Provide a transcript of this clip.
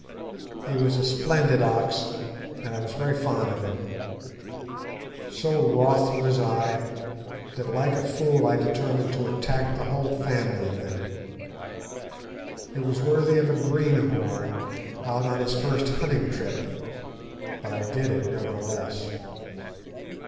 He was a splendid ox, and I was very fond of him. So wroth was I that like a fool I determined to attack the whole family of them. It was worthy of a greenhorn out on his first hunting trip; but I did it nevertheless.